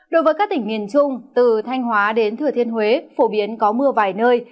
đối với các tỉnh miền trung từ thanh hóa đến thừa thiên huế phổ biến có mưa vài nơi